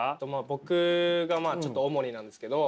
僕がちょっと主になんですけど。